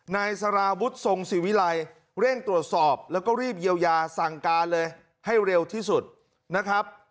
นายสาราวุฒิทรงสิวิลัยเร่งตรวจสอบแล้วก็รีบเยียวยาสั่งการเลยให้เร็วที่สุดนะครับ